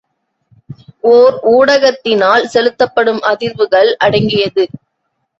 ஒர் ஊடகத்தினால் செலுத்தப்படும் அதிர்வுகள் அடங்கியது.